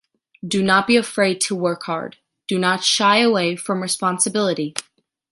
Do not be afraid to work hard, do not shy away from responsibility.